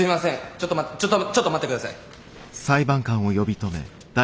ちょっと待っちょっとちょっと待って下さい。